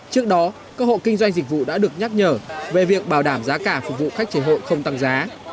trước đó các hộ kinh doanh dịch vụ đã được nhắc nhở về việc bảo đảm giá cả phục vụ khách chế hộ không tăng giá